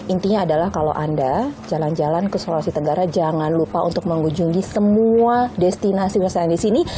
intinya adalah kalau anda jalan jalan ke sulawesi tenggara jangan lupa untuk mengunjungi semua destinasi wisata di sini